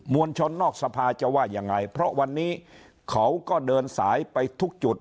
วลชนนอกสภาจะว่ายังไงเพราะวันนี้เขาก็เดินสายไปทุกจุด